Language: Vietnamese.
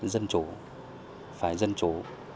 dân chủ phải dân chủ